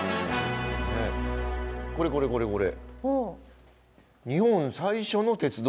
これこれこれこれ。